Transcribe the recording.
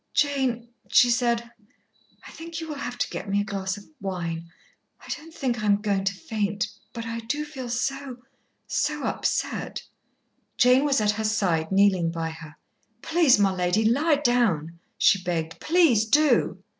"Jane," she said, "I think you will have to get me a glass of wine. I don't think I am going to faint, but I do feel so so upset." Jane was at her side kneeling by her. "Please, my lady, lie down," she begged. "Please do."